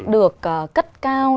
được cất cao